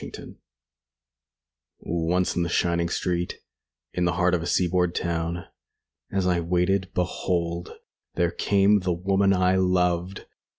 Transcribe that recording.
LXXVIII Once in the shining street, In the heart of a seaboard town, As I waited, behold, there came The woman I loved.